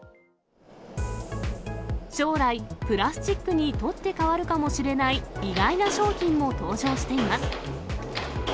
将来、プラスチックに取って代わるかもしれない意外な商品も登場しています。